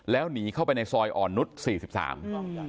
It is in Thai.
แล้วหนีเข้าไปในซอยอ่อนนุษย์สี่สิบสาม